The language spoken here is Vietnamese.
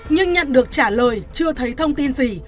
nhưng nhận được trả lời chưa thấy thông tin gì